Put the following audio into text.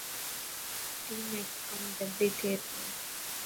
ٽيم ۾ ڪم جلدي ٿي ٿو.